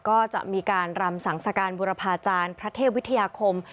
ก็จะมีการรำสังสการบุรพาจารย์พระเทพวิทยาคม